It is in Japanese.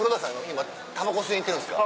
今タバコ吸いに行ってるんですか？